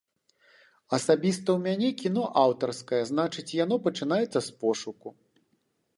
Асабіста ў мяне кіно аўтарскае, значыць, яно пачынаецца з пошуку.